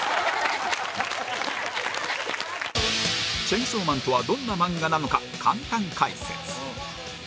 『チェンソーマン』とはどんな漫画なのか簡単解説